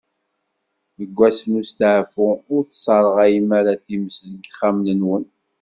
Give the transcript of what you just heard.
Deg wass n usteɛfu, ur tesseṛɣayem ara times deg yexxamen-nwen.